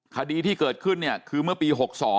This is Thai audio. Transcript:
คดีที่เกิดขึ้นเนี่ยคือเมื่อปี๖๒